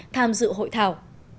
tham dự hội thảo